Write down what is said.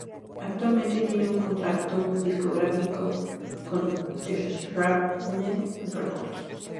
Actualmente tiene un contrato discográfico con Shrapnel Records.